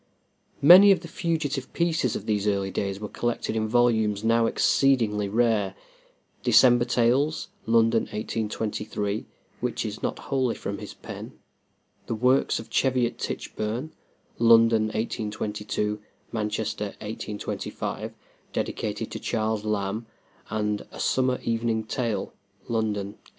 Many of the fugitive pieces of these early days were collected in volumes now exceedingly rare: "December Tales" (London, 1823), which is not wholly from his pen; the "Works of Cheviot Tichburn" (London, 1822; Manchester, 1825), dedicated to Charles Lamb; and "A Summer Evening Tale" (London, 1825).